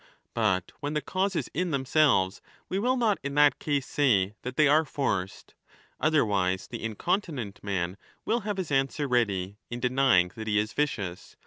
But when the cause is in themselves, we will not in that case say that they are 10 forced. Otherwise the incontinent man will have his answer ready, in denying that he is vicious.